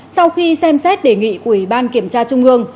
sau khi xem xét đề nghị của ủy ban kiểm tra trung ương